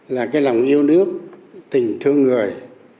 là cái lòng yêu nước tình thương người